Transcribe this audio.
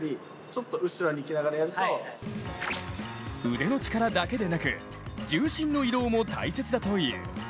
腕の力だけでなく重心の移動も大切だという。